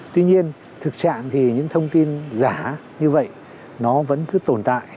tuy nhiên thực trạng thì những thông tin giả như vậy nó vẫn cứ tồn tại